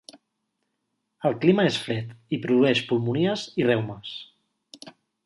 El clima és fred, i produeix pulmonies i reumes.